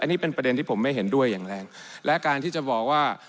อันนี้เป็นประเด็นที่ผมไม่เห็นด้วยอย่างแรงและการที่จะบอกว่า